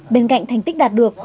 bên cạnh thành tích đạt được